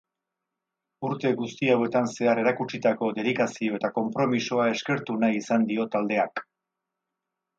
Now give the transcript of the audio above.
Urte guzti hauetan zehar erakutsitako dedikazio eta konpromisoa eskertu nahi izan dio taldeak.